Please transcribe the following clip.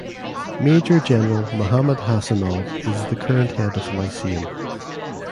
Major General Mahammad Hasanov is the current head of the lyceum.